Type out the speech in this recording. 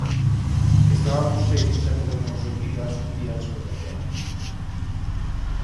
Estabamos seis ou sete de nós reunidas un día despois da cea.